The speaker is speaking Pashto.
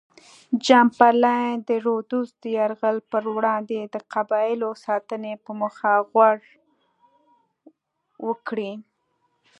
چمبرلاین د رودز د یرغل پر وړاندې د قبایلو ساتنې په موخه غور وکړي.